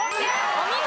お見事！